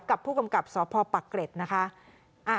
กับผู้กำกับสพปักเกร็ดนะคะ